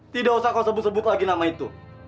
tidak usah kau sebut sebut lagi nama itu